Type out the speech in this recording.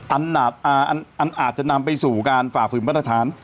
อันนี้อาจจะนำไปสู่การฝ่าฝึกปรรถฐาน